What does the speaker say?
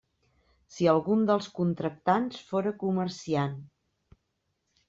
Si algun dels contractants fóra comerciant.